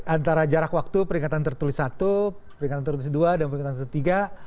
antara jarak waktu peringatan tertulis satu peringatan tertulis dua dan peringatan satu tiga